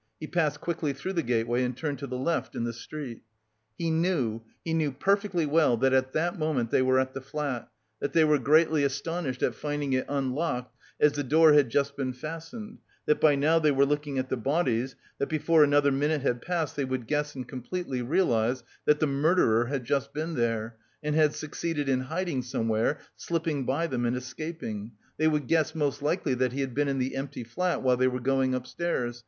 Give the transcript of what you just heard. He passed quickly through the gateway and turned to the left in the street. He knew, he knew perfectly well that at that moment they were at the flat, that they were greatly astonished at finding it unlocked, as the door had just been fastened, that by now they were looking at the bodies, that before another minute had passed they would guess and completely realise that the murderer had just been there, and had succeeded in hiding somewhere, slipping by them and escaping. They would guess most likely that he had been in the empty flat, while they were going upstairs.